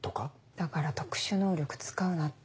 だから特殊能力使うなって。